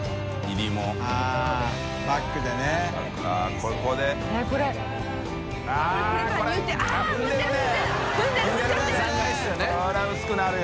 海譴薄くなるよ。